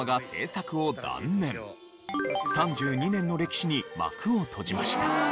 ３２年の歴史に幕を閉じました。